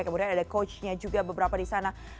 kemudian ada coachnya juga beberapa di sana